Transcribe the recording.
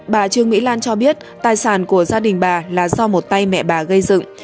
bà trương mỹ lan cho biết tài sản của gia đình bà là do một tay mẹ bà gây dựng